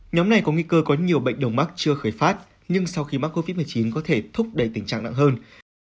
nhóm này có nguy cơ có nhiều bệnh đồng mắc chưa khởi phát nhưng sau khi mắc covid một mươi chín có thể thúc đẩy tình trạng nặng hơn